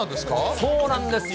そうなんですよ。